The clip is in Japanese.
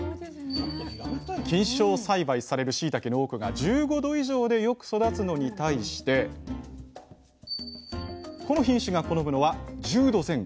菌床栽培されるしいたけの多くが１５℃以上でよく育つのに対してこの品種が好むのは１０℃前後。